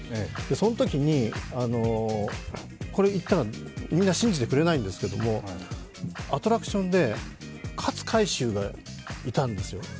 そのときに、これ言ったらみんな信じてくれないんですがアトラクションで勝海舟がいたんですよ。